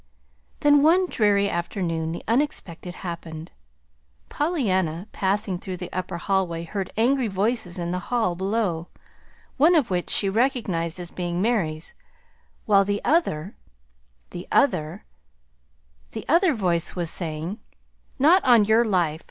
Then, one dreary afternoon, the unexpected happened. Pollyanna, passing through the upper hallway heard angry voices in the hall below, one of which she recognized as being Mary's, while the other the other The other voice was saying: "Not on yer life!